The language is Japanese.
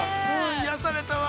◆癒やされたわ。